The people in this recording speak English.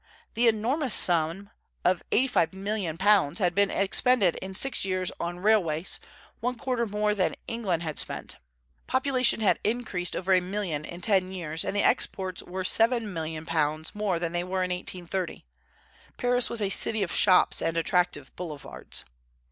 The enormous sum of £85,000,000 had been expended in six years on railways, one quarter more than England had spent. Population had increased over a million in ten years, and the exports were £7,000,000 more than they were in 1830. Paris was a city of shops and attractive boulevards.